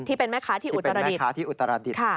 ที่เป็นแม่ค้าที่อุตรศัพท์